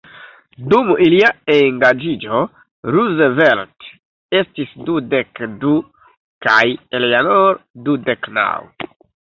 Dum ilia engaĝiĝo, Roosevelt estis dudek du kaj Eleanor dek naŭ.